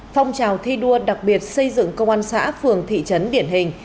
phong trào thi đua đặc biệt xây dựng công an xã phường thị trấn điển hình